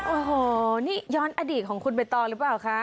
โอ้โหนี่ย้อนอดีตของคุณใบตองหรือเปล่าคะ